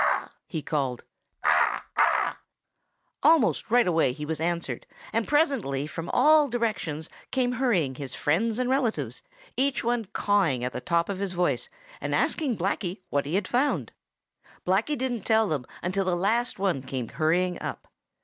"Caw caw, caw, ca a w, caw, caw!" he called. "Caw, ca a w, caw!" Almost right away he was answered, and presently from all directions dame hurrying his friends and relatives, each one cawing at the top of his voice and asking Blacky what he had found. Blacky didn't tell them until the last one came hurrying up.